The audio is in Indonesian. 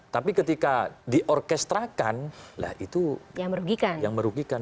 tapi ketika diorkestrakan itu yang merugikan